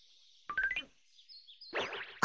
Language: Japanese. あ。